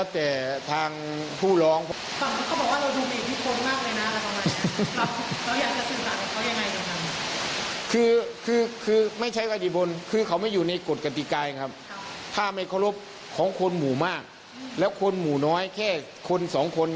ถ้าไม่เคารพของคนหมู่มากแล้วคนหมู่น้อยแค่คน๒คน